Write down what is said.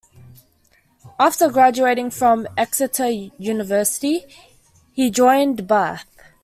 After graduating from Exeter University he joined Bath.